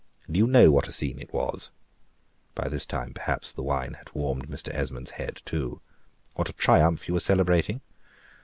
Do you know what a scene it was?" (by this time, perhaps, the wine had warmed Mr. Esmond's head too,) "what a triumph you are celebrating?